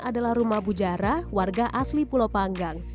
adalah rumah bujara warga asli pulau panggang